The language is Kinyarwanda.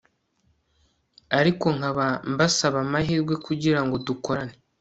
ariko nkaba mbasaba amahirwe kugira ngo dukorane